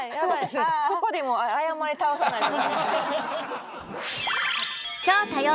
そこでもう謝り倒さないと。